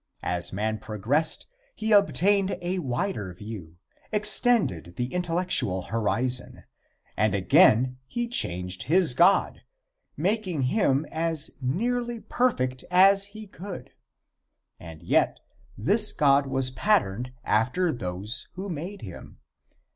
As man progressed he obtained a wider view, extended the intellectual horizon, and again he changed his God, making him as nearly perfect as he could, and yet this God was patterned after those who made him.